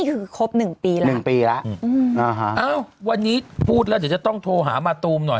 นี่คือครบ๑ปีแล้วนะครับอืมอ่าฮะอ้าววันนี้พูดแล้วจะต้องโทรหามาตูมหน่อย